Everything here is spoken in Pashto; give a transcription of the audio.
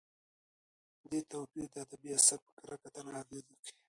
دې توپیر د ادبي اثر په کره کتنه اغېز کوي.